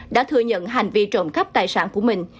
đã thừa nhận hành vi trộm cắp tài sản của mình